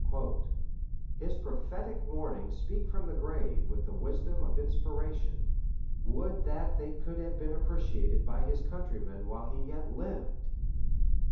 His prophetic warnings speak from the grave with the wisdom of inspiration. Would that they could have been appreciated by his countrymen while he yet lived!